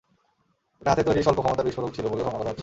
এটা হাতে তৈরি স্বল্প ক্ষমতার বিস্ফোরক ছিল বলে ধারণা করা হচ্ছে।